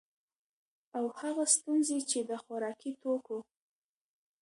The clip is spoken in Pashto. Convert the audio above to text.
او هغه ستونزي چي د خوراکي توکو